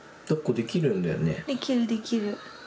できるできる。